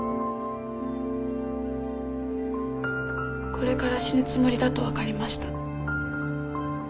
これから死ぬつもりだと分かりました。